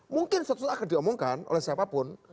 mungkin suatu saat akan diomongkan oleh siapapun